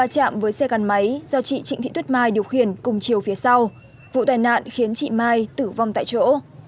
chạm với xe gắn máy do chị trịnh thị tuyết mai điều khiển cùng chiều phía sau vụ tai nạn khiến chị mai tử vong tại chỗ